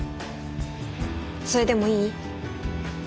それでもいい？